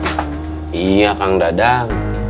iya kang dadang